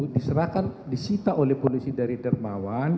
diserahkan disita oleh polisi dari dermawan